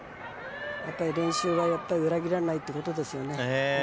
練習は裏切らないということですよね。